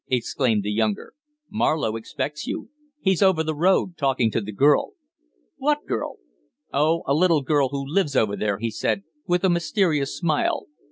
exclaimed the younger. "Marlowe expects you. He's over the road, talking to the girl." "What girl?" "Oh, a little girl who lives over there," he said, with a mysterious smile.